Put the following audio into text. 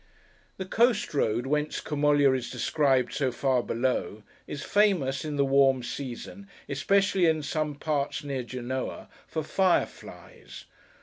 The coast road whence Camoglia is descried so far below, is famous, in the warm season, especially in some parts near Genoa, for fire flies.